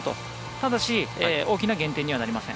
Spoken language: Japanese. ただし大きな減点にはなりません。